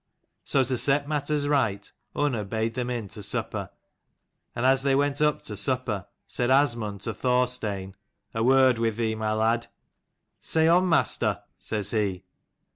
So to set matters right Unna bade them in to supper: and as they went up to supper said Asmund to Thorstein, "A word with thee, my lad." "Say on, master," says he.